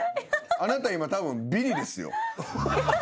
あなた今たぶんビリですよ。